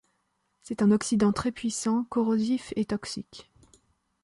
C'est un oxydant très puissant, corrosif et toxique.